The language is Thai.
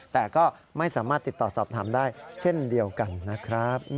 แต่ก็ไม่สามารถติดต่อสอบถามได้เช่นเดียวกันนะครับ